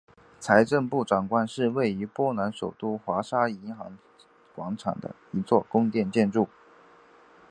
财政部长宫是位于波兰首都华沙银行广场的一座宫殿建筑。